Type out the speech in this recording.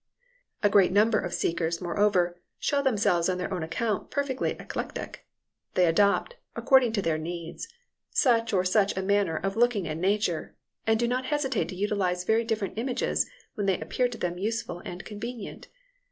A great number of seekers, moreover, show themselves on their own account perfectly eclectic. They adopt, according to their needs, such or such a manner of looking at nature, and do not hesitate to utilize very different images when they appear to them useful and convenient.